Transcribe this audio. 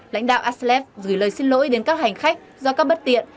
lãnh đạo aclev gửi lời xin lỗi đến các hành khách do các bất tiện